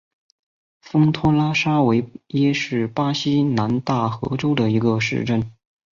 丰托拉沙维耶是巴西南大河州的一个市镇。